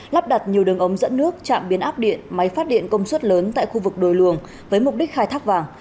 lắp đặt nhiều đường ống dẫn nước trạm biến áp điện máy phát điện công suất lớn tại khu vực đồi luồng với mục đích khai thác vàng